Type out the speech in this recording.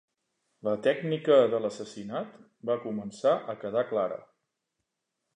La tècnica de l'assassinat va començar a quedar clara.